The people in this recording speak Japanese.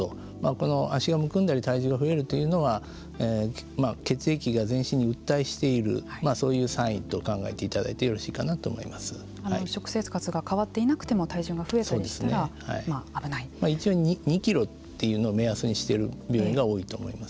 この足がむくんだり体重が増えるというのは血液が全身にうっ滞しているそういうサインと考えていただいて食生活が変わっていなくても体重も増えたりしたら一応２キロというのを目安にしている病院が多いと思います。